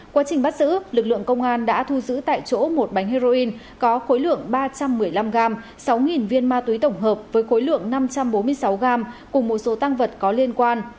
quá trình bắt giữ lực lượng công an đã thu giữ tại chỗ một bánh heroin có khối lượng ba trăm một mươi năm gram sáu viên ma túy tổng hợp với khối lượng năm trăm bốn mươi sáu gram cùng một số tăng vật có liên quan